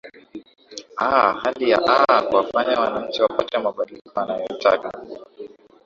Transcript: aa hali ya aa kuwafanya wananchi wapate mabadiliko wanayotaka